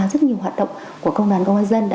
rất nhiều hoạt động của công đoàn công an nhân dân